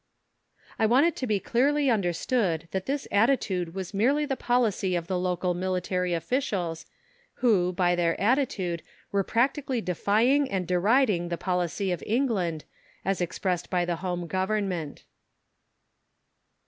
I want it to be clearly understood that this attitude was merely the policy of the local military officials who, by their attitude, were practically defying and deriding the policy of England, as expressed by the Home Government.